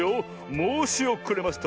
もうしおくれました。